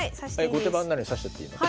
後手番なのに指しちゃっていいの？